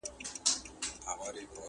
زما له زخمي کابله ویني څاڅي؛